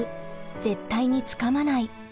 絶対につかまない。